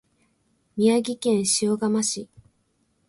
宮城県塩竈市